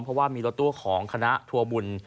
เพราะว่ามีรถตู้ของคณะทัวร์บุญ